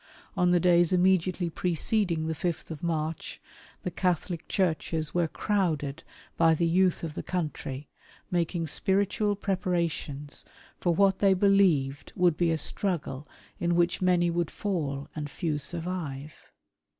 On the days imme diately preceding the 5tli March, the Catholic churches were crowded by the youth of the country, making spiritual prepara tions for what they believed would be a struggle in which many would Ml and few survive.